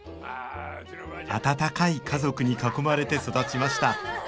温かい家族に囲まれて育ちました